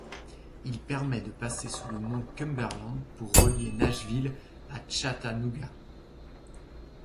Il permet de passer sous le mont Cumberland pour relier Nashville à Chattanooga.